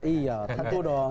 iya tentu dong